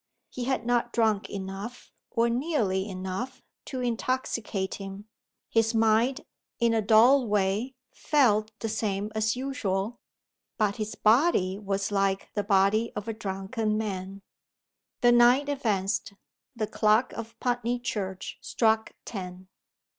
He had not drunk enough, or nearly enough, to intoxicate him. His mind, in a dull way, felt the same as usual; but his body was like the body of a drunken man. The night advanced; the clock of Putney Church struck ten.